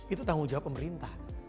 itu tanggung jawab pemerintah